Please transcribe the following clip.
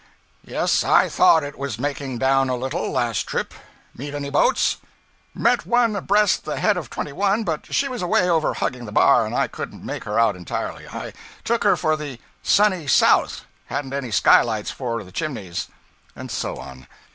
'Yes, I thought it was making down a little, last trip. Meet any boats?' 'Met one abreast the head of 21, but she was away over hugging the bar, and I couldn't make her out entirely. I took her for the "Sunny South" hadn't any skylights forward of the chimneys.' And so on.